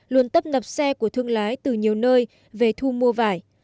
luôn tấp nập xe của thương lái từ nhiều nơi về thu mua vải